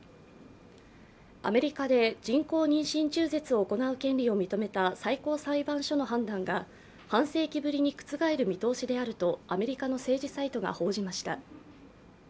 アメリカで人工妊娠中絶を行う権利を認めた最高裁判所の判断が半世紀ぶりに覆る見通しであるとアメリカの政治サイトが報じました。